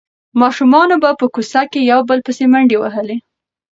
ماشومانو به په کوڅه کې یو بل پسې منډې وهلې.